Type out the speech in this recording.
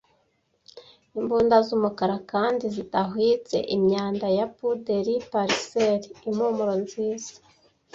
Imbunda z'umukara kandi zidahwitse, imyanda ya puderi-parcelle, impumuro nziza,